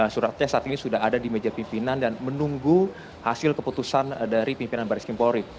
suratnya saat ini sudah ada di meja pimpinan dan menunggu hasil keputusan dari pimpinan baris krim polri